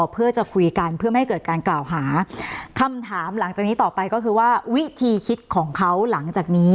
เพื่อจะคุยกันเพื่อไม่ให้เกิดการกล่าวหาคำถามหลังจากนี้ต่อไปก็คือว่าวิธีคิดของเขาหลังจากนี้